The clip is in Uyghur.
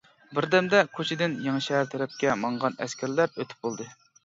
بىردەمدە كوچىدىن يېڭىشەھەر تەرەپكە ماڭغان ئەسكەرلەر ئۆتۈپ بولدى.